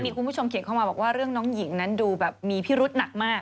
คุณผู้ชมเขียนเข้ามาบอกว่าเรื่องน้องหญิงนั้นดูแบบมีพิรุษหนักมาก